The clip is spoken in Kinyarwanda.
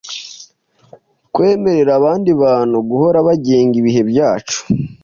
Kwemerera abandi bantu guhora bagenga ibihe byacu